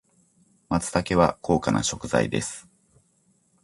松茸は高価な食材です。